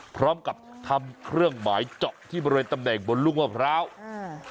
พร้อมกับทำเครื่องหมายเจาะที่บริเวณตำแหน่งบนลูกมะพร้าวอืม